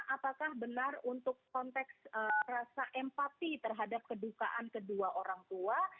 apakah benar untuk konteks rasa empati terhadap kedukaan kedua orang tua